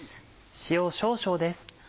塩少々です。